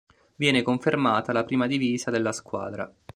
Viene confermata la prima divisa della squadra.